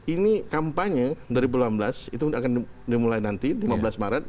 ini kampanye dua ribu delapan belas itu akan dimulai nanti lima belas maret